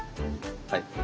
はい。